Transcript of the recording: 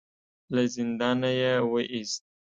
له زندانه يې وايست.